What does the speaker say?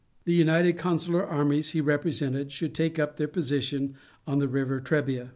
The united consular armies, he represented, should take up their position on the river Trebia.